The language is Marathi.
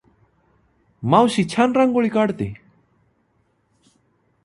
मावशी छान रांगोळी काढते.